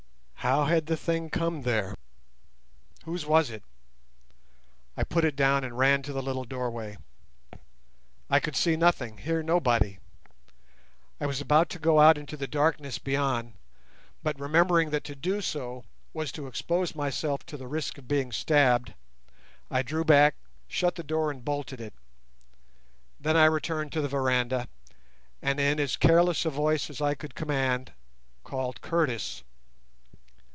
How had the thing come there? Whose was it? I put it down and ran to the little doorway. I could see nothing, hear nobody. I was about to go out into the darkness beyond, but remembering that to do so was to expose myself to the risk of being stabbed, I drew back, shut the door, and bolted it. Then I returned to the veranda, and in as careless a voice as I could command called Curtis.